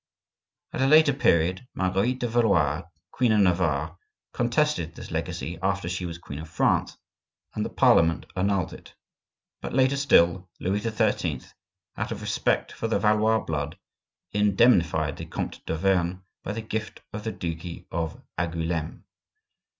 At a later period, Marguerite de Valois, queen of Navarre, contested this legacy after she was queen of France, and the parliament annulled it. But later still, Louis XIII., out of respect for the Valois blood, indemnified the Comte d'Auvergne by the gift of the duchy of Angouleme.